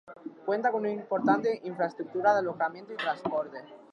Cuenta con una importante infraestructura de alojamiento y transporte.